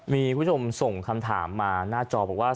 มีคุณผู้ชมส่งคำถามมาหน้าจอบอกว่า